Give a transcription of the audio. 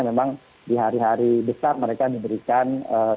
memang di hari hari besar mereka diberikan